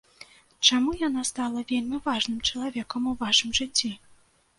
Чаму яна стала вельмі важным чалавекам у вашым жыцці?